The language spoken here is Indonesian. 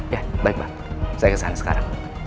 ya baik bang saya kesana sekarang